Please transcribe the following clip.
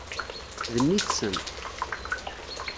D mmi-tsen.